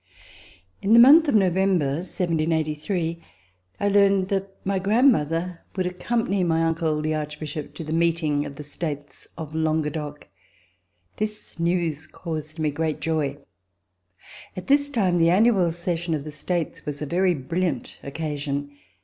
IN the month of November, 1783, I learned that my grandmother would accompany my uncle, the Archbishop, to the meeting of the States of Languedoc. This news caused me great joy. At this time the annual session of the States was a very brilliant occasion.